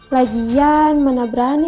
lagian mana berani